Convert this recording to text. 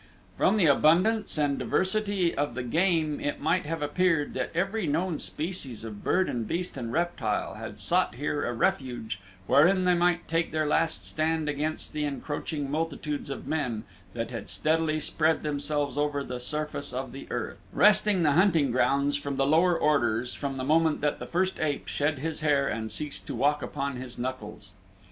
From the abundance and diversity of the game it might have appeared that every known species of bird and beast and reptile had sought here a refuge wherein they might take their last stand against the encroaching multitudes of men that had steadily spread themselves over the surface of the earth, wresting the hunting grounds from the lower orders, from the moment that the first ape shed his hair and ceased to walk upon his knuckles.